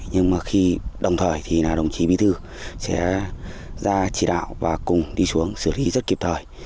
nhưng mà khi đồng thời thì là đồng chí bí thư sẽ ra chỉ đạo và cùng đi xuống xử lý rất kịp thời